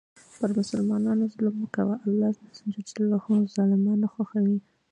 پر مسلمانانو ظلم مه کوه، الله ظالمان نه خوښوي.